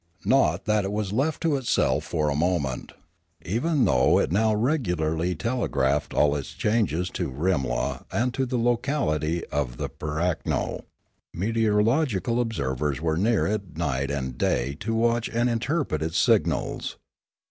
Not that it was to be left to itself for a moment; even though it now regularly telegraphed all its changes to Rimla and to the locality of the pirakno, meteorological observers were near it night and day to watch and interpret its signals.